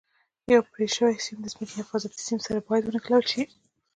یو پرې شوی سیم د ځمکې حفاظتي سیم سره باید ونښلول شي.